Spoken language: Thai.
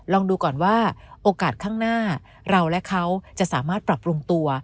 ลองดูก่อนว่าโอกาสข้างหน้าเราและเขาจะสามารถปรับปรุงตัว